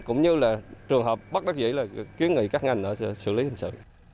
cũng như là trường hợp bắt đất dĩ là kiên nghị các ngành sử lý hình sự